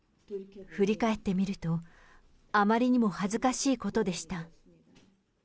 振り返ってみると、あまりにも恥ずかしいことでした。